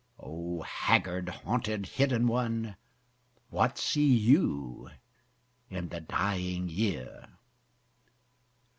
O haggard, haunted, hidden One What see you in the dying year?